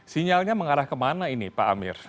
sinyalnya mengarah kemana ini pak amir